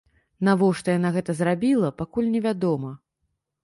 Навошта яна гэта зрабіла, пакуль не вядома.